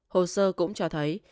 hồ sơ cũng cho thấy